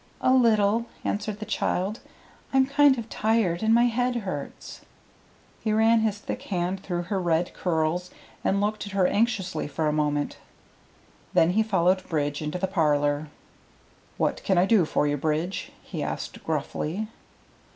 "A little," answered the child. "I'm kind of tired, and my head hurts." He ran his thick hand through her red curls, and looked at her anxiously for a moment. Then he followed Bridge into the parlor. "What can I do for you, Bridge?" he asked gruffly.